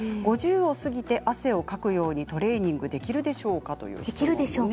５０を過ぎて、汗をかくようにトレーニングできるでしょうか。